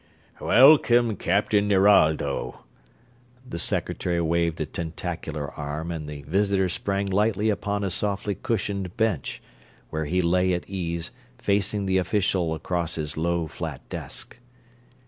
"Welcome, Captain Nerado!" The Secretary waved a tentacular arm and the visitor sprang lightly upon a softly cushioned bench, where he lay at ease, facing the official across his low, flat "desk."